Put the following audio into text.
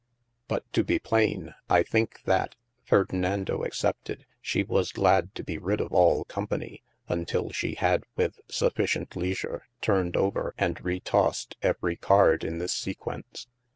But to be plain, I think that [Ferdinando excepted) 1 she was glad to ' be rid of all company, untill she had with } 391 i THE ADVENTURES sufficient leasure turned over and retossed every card in this sequence.